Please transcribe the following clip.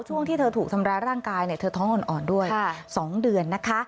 ที่เธอถูกทำร้ายร่างกายเนี่ยเธอท้องอ่อนด้วย๒เดือนนะคะ